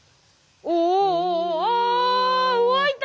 おおあ動いた！